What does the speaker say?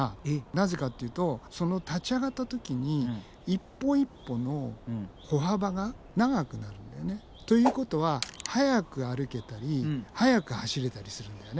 なぜかっていうとその立ち上がった時に一歩一歩の歩幅が長くなるんだよね。ということは速く歩けたり速く走れたりするんだよね。